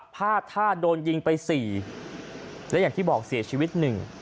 พลาดท่าโดนยิงไปสี่และอย่างที่บอกเสียชีวิตหนึ่ง